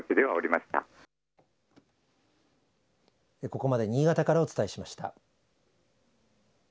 ここまで新潟からお伝えしました。